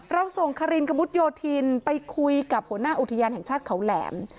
เราส่งคารินกระมุดโยธินไปคุยกับหัวหน้าอุทยานแห่งชาติเขาแหลม